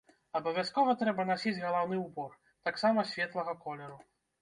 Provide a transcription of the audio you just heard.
Абавязкова трэба насіць галаўны ўбор, таксама светлага колеру.